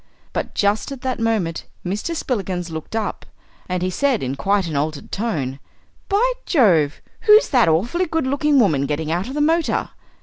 But just at that moment Mr. Spillikins looked up, and he said in quite an altered tone. "By Jove! who's that awfully good looking woman getting out of the motor?"